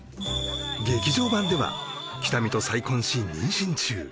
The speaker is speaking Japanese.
劇場版では喜多見と再婚し妊娠中